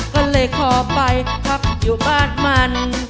ก็เลยขอไปพักอยู่บ้านมัน